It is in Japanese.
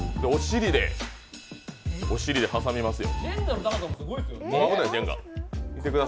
おしりで挟みますよ。